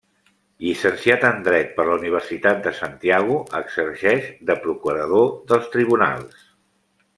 Llicenciat en dret per la Universitat de Santiago, exerceix de procurador dels Tribunals.